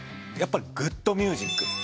やっぱりグッドミュージック。